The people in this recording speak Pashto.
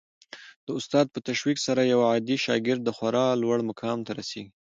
د استاد په تشویق سره یو عادي شاګرد خورا لوړ مقام ته رسېږي.